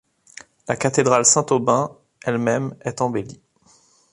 La cathédrale Saint-Aubain elle-même est embellie.